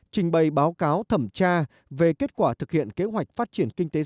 trình bày báo cáo thẩm tra về kết quả thực hiện kế hoạch phát triển kinh tế xã hội năm hai nghìn một mươi bảy